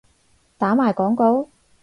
打埋廣告？